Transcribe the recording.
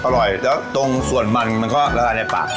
อร่อยแล้วตรงส่วนมันมันก็ละลายในปาก